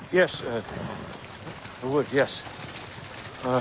あ。